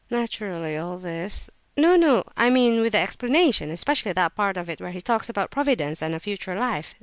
"Naturally, all this—" "No, no, I mean with the 'explanation,' especially that part of it where he talks about Providence and a future life.